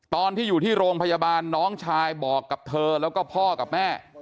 ตอนที่อยู่ที่โรงพยาบาลน้องชายบอกกับเธอแล้วก็พ่อกับแม่